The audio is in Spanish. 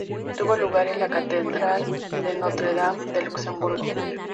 Tuvo lugar en la Catedral de Notre-Dame de Luxemburgo.